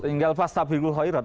tinggal fastabiru hoirat